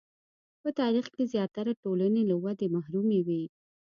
په تاریخ کې زیاتره ټولنې له ودې محرومې وې.